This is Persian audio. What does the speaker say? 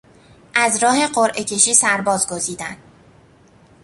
از راه قرعه کشی سرباز گزیدن